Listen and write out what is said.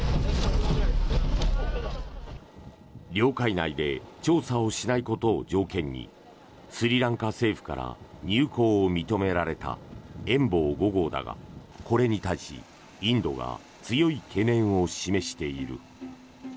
領海内で調査をしないことを条件にスリランカ政府から入港を認められた「遠望５号」だがこれに対し、インドが強い懸念を示している。